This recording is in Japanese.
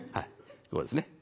こうですね。